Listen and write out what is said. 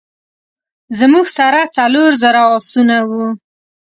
زموږ سره څلور زره آسونه وه.